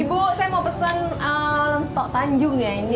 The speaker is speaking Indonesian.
ibu saya mau pesan lentok tanjung ya ini